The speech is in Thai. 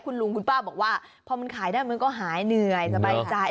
คุณลุงคุณป้าบอกว่าพอมันขายได้มันก็หายเหนื่อยสบายใจ